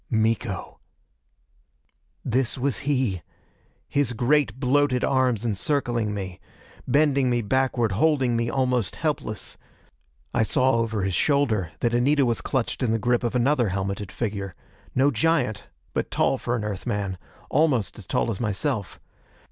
Miko! This was he. His great bloated arms encircling me, bending me backward, holding me almost helpless. I saw over his shoulder that Anita was clutched in the grip of another helmeted figure. No giant, but tall for an Earthman almost as tall as myself.